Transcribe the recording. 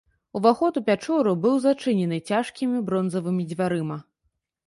Уваход у пячору быў зачынены цяжкімі бронзавымі дзвярыма.